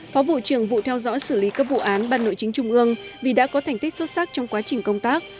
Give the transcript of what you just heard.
phó vụ trưởng vụ theo dõi xử lý cấp vụ án ban nội chính trung ương vì đã có thành tích xuất sắc trong quá trình công tác